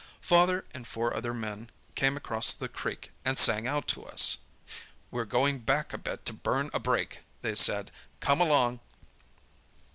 "Father and four other men came across the creek and sang out to us— "'We're going back a bit to burn a break!' they said. 'Come along.